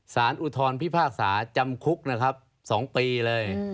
อุทธรพิพากษาจำคุกนะครับ๒ปีเลย